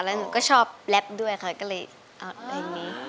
แล้วหนูก็ชอบแรปด้วยค่ะก็เลยเอาเพลงนี้